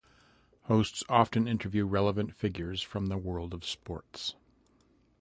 Hosts often interview relevant figures from the world of sports.